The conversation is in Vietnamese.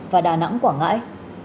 và đà nẵng quảng ngãi